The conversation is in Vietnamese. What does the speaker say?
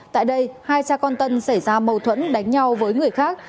tại đây hai cha con tân xảy ra mâu thuẫn đánh nhau với người khác